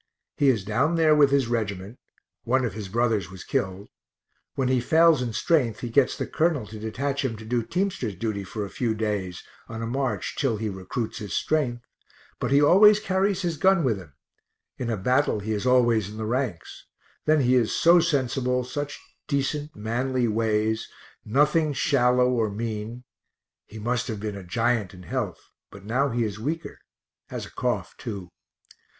He is down there with his regiment (one of his brothers was killed) when he fails in strength he gets the colonel to detach him to do teamster's duty for a few days, on a march till he recruits his strength but he always carries his gun with him in a battle he is always in the ranks then he is so sensible, such decent manly ways, nothing shallow or mean (he must have been a giant in health, but now he is weaker, has a cough too).